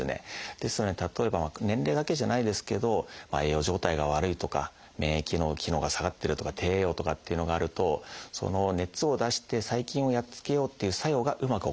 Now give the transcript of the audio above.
ですので例えば年齢だけじゃないですけど栄養状態が悪いとか免疫の機能が下がってるとか低栄養とかっていうのがあるとその熱を出して細菌をやっつけようっていう作用がうまく起こんないんですよ。